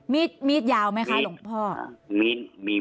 มีดยาวไหมคะหลวงพ่อ